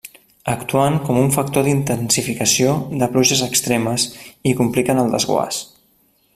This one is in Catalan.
Actuen com un factor d'intensificació de pluges extremes i compliquen el desguàs.